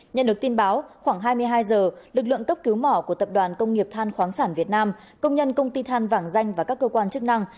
nhận được tin báo khoảng hai mươi hai giờ lực lượng cấp cứu mỏ của tập đoàn công nghiệp than khoáng sản việt nam công nhân công ty than vàng danh và các cơ quan chức năng